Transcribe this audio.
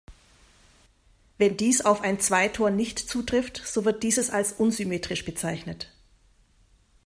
Wenn dies auf ein Zweitor nicht zutrifft, so wird dieses als "unsymmetrisch" bezeichnet.